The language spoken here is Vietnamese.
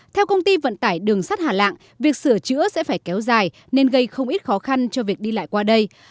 theo công ty vận tải đường sắt hà lạng việc sửa chữa sẽ phải kéo dài nên gây không ít khó khăn cho việc đi lại qua đây